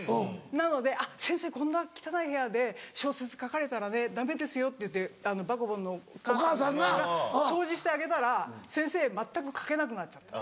なので「先生こんな汚い部屋で小説書かれたらダメですよ」って言ってバカボンのお母さんが掃除してあげたら先生全く書けなくなっちゃった。